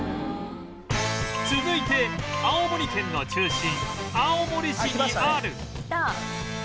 続いて青森県の中心青森市にある